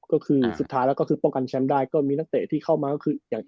ก็คือสุดท้ายแล้วก็คือป้องกันแชมป์ได้ก็มีนักเตะที่เข้ามาก็คืออย่าง